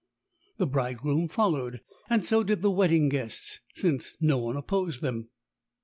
The bridegroom followed; and so did the wedding guests, since no one opposed them.